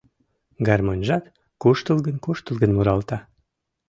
Гармоньжат куштылгын-куштылгын муралта.